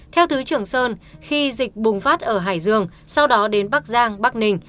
theo thứ trưởng sơn khi dịch bùng phát ở hải dương sau đó đến bắc giang bắc ninh